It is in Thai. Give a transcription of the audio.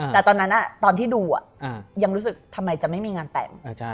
แต่ตอนนั้นตอนที่ดูยังรู้สึกทำไมจะไม่มีงานแต่ง